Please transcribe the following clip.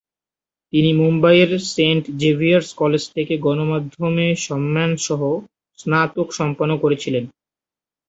তিনি মুম্বাইয়ের Saint Xavier's College থেকে গণমাধ্যমে সম্মান সহ স্নাতক সম্পন্ন করেছিলেন।